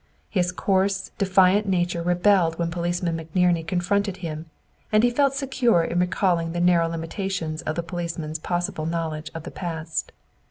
His coarse, defiant nature rebelled when Policeman McNerney confronted him, and he felt secure in recalling the narrow limitations of the policeman's possible knowledge of the past.